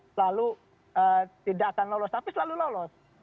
selalu tidak akan lolos tapi selalu lolos